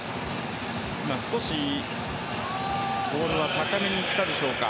今、少しボールは高めにいったでしょうか。